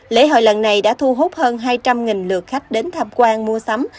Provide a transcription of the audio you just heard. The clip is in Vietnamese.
lễ hội lần này đã thu hút hơn hai trăm linh lượt khách đến tham quan mua sắm